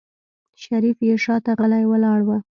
شريف يې شاته غلی ولاړ و.